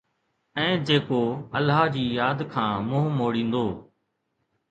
۽ جيڪو الله جي ياد کان منهن موڙيندو